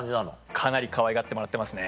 かなりかわいがってもらってますね。